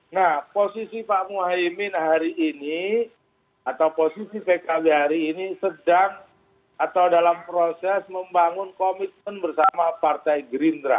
nah posisi pak muhaymin hari ini atau posisi pkb hari ini sedang atau dalam proses membangun komitmen bersama partai gerindra